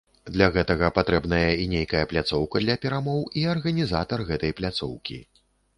Для гэтага патрэбная і нейкая пляцоўка для перамоў, і арганізатар гэтай пляцоўкі.